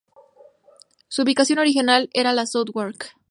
Su ubicación original era en Southwark.